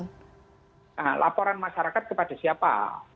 nah laporan masyarakat kepada siapa